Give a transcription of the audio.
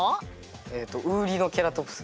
えっとウーリノケラトプス。